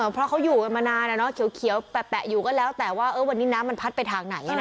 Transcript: เพราะเขาอยู่กันมานานเขียวแปะอยู่ก็แล้วแต่ว่าวันนี้น้ำมันพัดไปทางไหน